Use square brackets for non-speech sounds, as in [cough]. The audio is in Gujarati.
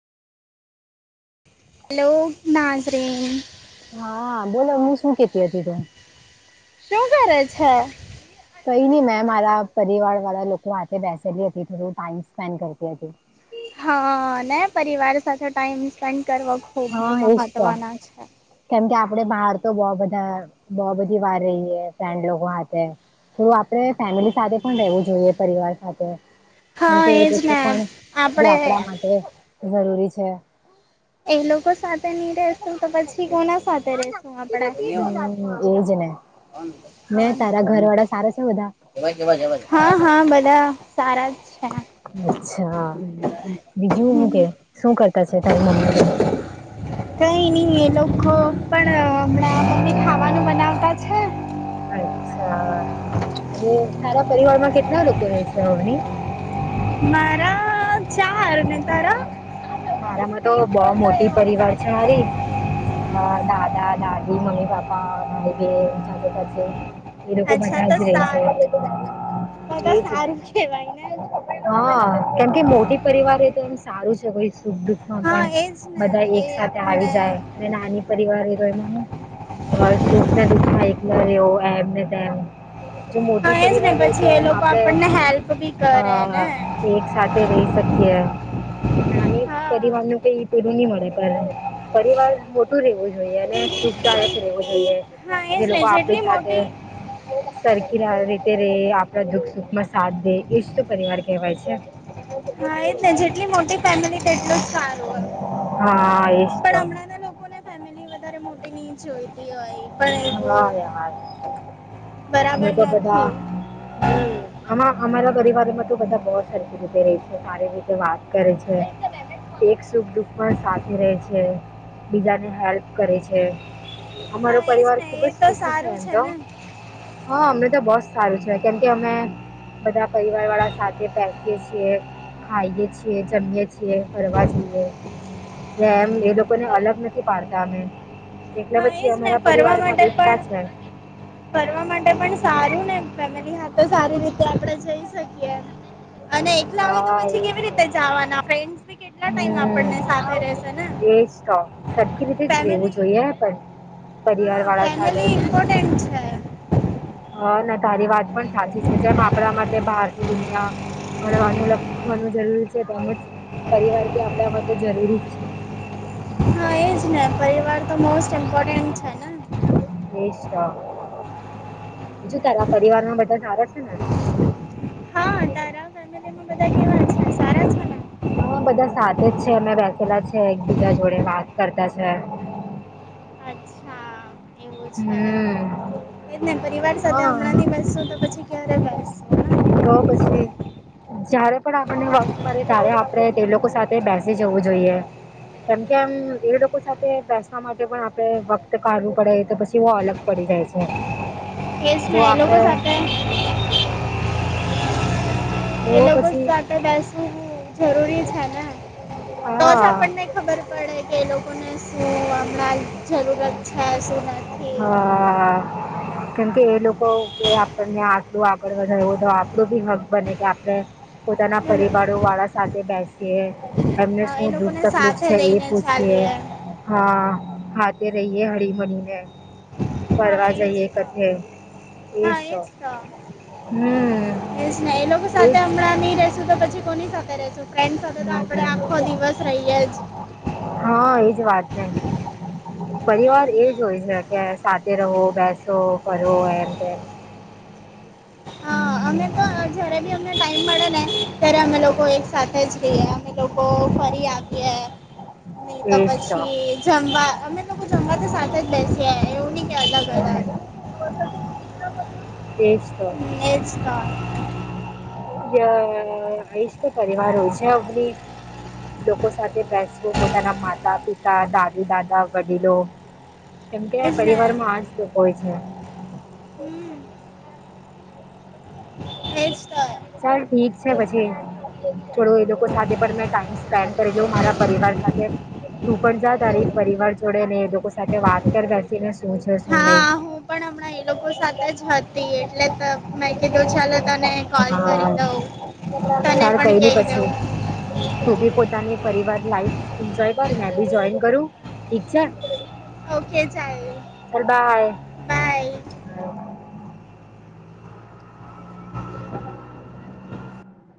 હલો, નાઝરેન. હા, બોલો અવે શું કેતી હતી તું? શું કરે છે? કઈ ની મેં મારા પરિવાર વાળા લોકો હાથે બેસેલી હતી, થોડું ટાઈમ સ્પેન્ડ કરતી હતી. હ ને પરિવાર સાથે ટાઈમ સ્પેન્ડ કરવો, ખુબ હા એજ તો મહત્વનો છે. કેમ કે આપડે બાહાર તો બવ બધા બવ બધી વાર રઈએ, ફ્રેન્ડ લોકો હાથે. થોડું આપડણે ફેમિલી સાથે પણ રેવું જોઈએ, પરિવાર સાથે. હા કેમકે એ એજ લોકો ને પણ આપડે આપડા માટે જરૂરી છે. એ લોકો સાથે ની રેસુ, તો પછી કોના સાથે રેસુ આપડે. હ, એજને. છે બધા એવાજ એવાજ. હા, હા બધા. સારા જ છે. અચ્છા. બીજું હું કે શું કરતા છે, તારી મમ્મી લોકો? કઈ નઈ એ લોકો પણ અમણાં મમ્મી ખાવાનું મનાવતા અચ્છા અને તારા પરિવારમાં કેટલા લોકો રે છે? અવની. મારા ચારા. ને તારા? મારામાં તો બઉ મોટી પરિવાર છે હારી. હ દાદા-દાદી, મમ્મી-પાપા, ભાઈ-બેન, ચાચા-ચાચી.... એ લોકો અચ્છા બધા તો જ રે સારું છે. તો તો એજ સારું કેવાય ને. હ કેમ કે મોટી પરિવાર એ તો એમ સારુ છે, કોઈ સુખ હ પણ હા એજ ને બધા એ એક સાથે આપણને આવી જાય, ને નાની પરિવાર તો એમાં હું અ સુખ ને દુખ માં એકલા રેવ એમ ને તેમ. જો હા મોટી એજ ને પરિવાર ઓય, તો પછી એ એમ લોકો આપડે આપણને હેલ્પ બી અ કરે ને એક સાથે રઈ સકીએ. નાની હા પરિવાર ન કઈ ઈ પેડું નહી મળે પરિવાર મોટું રહેવું જોઈએ અને સુખદાયક રહેેવું જોઈએ હા એજ જે ને લોકો આપે જેટલી સાથે મોટી સરખી રીતે રે આપડા દુખ સુખ માં સાથ દે એજ તો પરિવાર કહેવાય છે. હા એજ ને જેટલી મોટી ફેમિલી એટલું સારું હ હા એજ પણ તો હમણાં ના લોકોને ફેમિલી વધારે મોટી નહીં જોઈ [inaudible] વા યાર અમે બરાબર તો બધા નથી હમ્મ આ અમારા પરિવારમાં તો બધા બહ સરખી રીતે ર છે સારી રીતે વાત કરે છે. એક સુખ દુખમાં સાથે રહે છે બીજાને હેલ્પ કરે છે. અમારો હા એજ પરિવાર ને ખુબ એ જ તો સુખી છે સારું એમ તો ને હા અમને તો બસ સારું છે કેમ કે અમે બધા પરિવાર વાળા સાથે બેસીય છીએ ખાઈએ છીએ જમીએ છીએ ફરવા જઈએ એમ એ લોકોને અલગ નથી પાડતા અમે એટલે હા પછી એજ ને અમારા ફરવા પરિવાર માં માટે એકતા છે [inaudible] ફરવા માટે પણ સારું ને ફેમિલી હા તો સારી રીતે આપણે જઈ શકીએ અને એકલા હોય તો હા એ પછી જ કેવી તો રીતે જવાના ફન્ડી કેટલા ટાઈમ આપ હમ સાથે રશે ને એજ તો સરખી રીતે જ રહેેવું જોઈએ પણ પરિવારવાળા સાથે ફેનલી મપોર્ટેન્ટ છે હ ના તારી વાત પણ સાચી છે જેમ આપણા માટે બહારની દુનિયા મળવાનું લખવાનું જરૂરી છે તેમજ પરિવાર બી આપણા માટે જરૂરી છે. હા એજ ને પરિવાર તો મોસ્ટ ઇમ્પોર્ટેન્ટ છે ને [inaudible] બીજું તારા પરિવાર માં બધા સારા છે ને હા તારા પ કેમાં સારા છ. હા બધા સાથે જ છે અમે બેસેલા છે એકબીજા જોડે વાત કરતા છે. અચ્છા એવું છે [inaudible] એ જ ને પરિવાર સાથે હમણાં હા બેસશો તો પછી ક્યારે બેસશે [inaudible] જયારે પણ આપણને વત મળે ત્યારે આપણે તે લોકો સાથે બેસી જવું જોઈએ કેમકે એમ એ લોકો સાથે બેસવા માટે પણ આપડે વક્ત કાઢવું પડે તો પછી અલગ પડી જાય છે. ને એ જ જો ને એ લોકો આપડે સાથે એ તો લોકો પછી સાથે બેસવું જરૂરી છે ને તો જ હા આપણને ખબર પડે કે એ લોકોને શું હમણાં જરૂરત અછા સુ નથીથી કેમ કે એ લોકો કે આપણને આટલું આગળ વધારવું તો આપણું બી હક બને કે આપણે પોતાના બોલો પરિવારો વાળા સાથે બેસીએ એમને હા એ શું દુખ લોકોને તકલીફ સાથે છે એ લઈને પૂછીએ ચાલીએ હા હાથે રહીયએ હળીમળી ને હા ફરવા એ જ જઈએ તો કથે હા એજ તો, હમ એજ ને એ લોકો એજ સાથે હમણાં શું તો પછી કોની સાથે રશું ફ્રેન્ડ સાથે તો આપડણે આખો દિવસ રહીએ જ. હા એજ વાત ને. પરિવાર એમ એ ને જ હોય છે કે સાથે રહો બેસો કરો એમ કે. હા અમે તો હમ્મ, જયારે બી અમને ટાઈમ મળે ને, ત્યારે અમે લોકો એક સાથે જ જઈએ. લોકો ફરી આપએ, નહીં તો પછી જમવા અમે લોકો જમવા તો સાથે જ લઈસી એવું ન એજ તો. ચતા [unintelligible] અ આઈશ તો પરિવાર હોય છે અમની લોકો સાથે પેસબુક. પોતાના માતા પિતા દાદી દાદા વડીલો, કેમકે એજ ને પરિવારમાં આજ હોય છે. હમ. એજ તો. ચાલ ઠીક છે પછી. થોડો એ લોકો સાથે પણ મેં ટાઈમ સ્પેન્ડ કરી લઉ મારા પરિવાર સાથે. તું પણ જા તારી પરિવાર જોડે ને એ લોકો સાથે વાત કર બેસીને શું છે શું નહી. હા હું પણ હમણાં એ લોકો સાથે જ હતી એટલે મેં કીધું ચલે તને કોલ કરી દઉં, હા તને ચાલ પણ કઈ નઈ કહી પછી દઉં. તું બી પોતાની પરિવાર લાઈફ એન્જોય કર મે બી જોઈન કરું, ઠીક છે. ઓકે ચાર. સ્ બાય. હા. [inaudible]